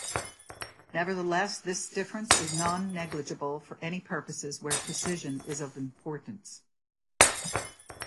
Nevertheless, this difference is non-negligible for any purposes where precision is of importance.